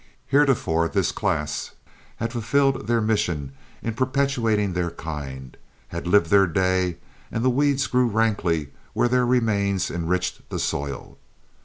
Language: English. Heretofore this class had fulfilled their mission in perpetuating their kind, had lived their day, and the weeds grew rankly where their remains enriched the soil.